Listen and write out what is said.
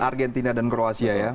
argentina dan kroasia ya